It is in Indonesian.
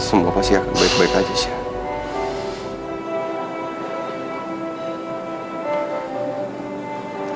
semua pasti akan baik baik aja syah